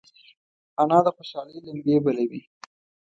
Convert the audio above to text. انا د خوشحالۍ لمبې بلوي